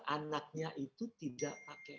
anaknya itu tidak pakai